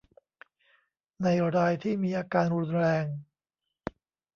ในรายที่มีอาการรุนแรง